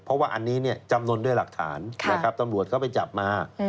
เพราะว่าอันนี้จำนวนด้วยหลักฐานนะครับตำรวจเขาไปจับมา